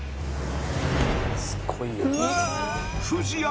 「すごいよ」